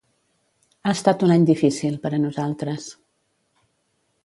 Ha estat un any difícil per a nosaltres.